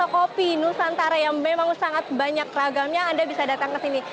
kopi nusantara yang memang sangat banyak ragamnya anda bisa datang ke sini